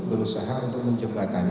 berusaha untuk menjebatani